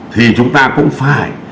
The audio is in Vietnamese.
thì chúng ta cũng phải